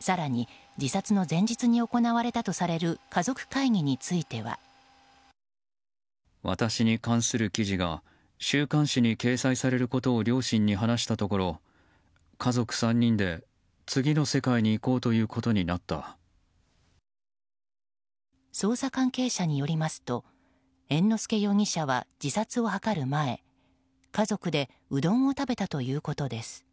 更に、自殺の前日に行われたとされる、家族会議については。捜査関係者によりますと猿之助容疑者は自殺を図る前家族でうどんを食べたということです。